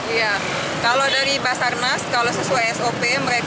iya kalau dari basarnas kalau sesuai sop